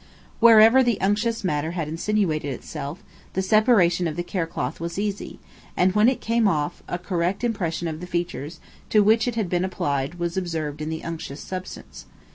Wherever the unctuous matter had insinuated itself, the separation of the cerecloth was easy; and when it came off, a correct impression of the features to which it had been applied was observed in the unctuous substance.